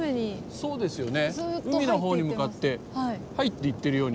そうですね。